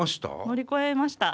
乗り越えました！